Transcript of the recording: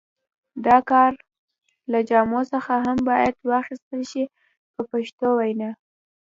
د کار له جامو څخه هم باید کار واخیستل شي په پښتو وینا.